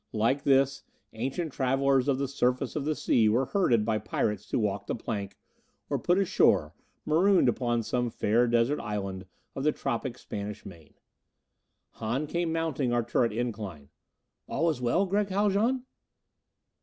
Like this, ancient travelers of the surface of the sea were herded by pirates to walk the plank, or put ashore, marooned upon some fair desert island of the tropic Spanish main. Hahn came mounting our turret incline. "All is well, Gregg Haljan?"